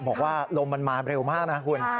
บอกว่าลมมันมาเร็วมากนะคุณ